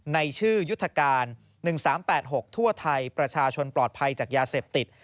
ในชื่อยุทธการ๑๓๘๖ทั่วไทยประชาชนปลอดภัยจากยาเสพติด